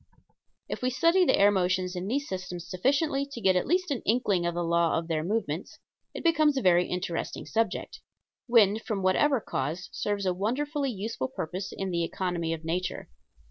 If we study the air motions in these systems sufficiently to get at least an inkling of the law of their movements, it becomes a very interesting subject. Wind from whatever cause serves a wonderfully useful purpose in the economy of nature.